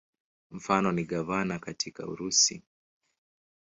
Mfano ni gavana katika Urusi.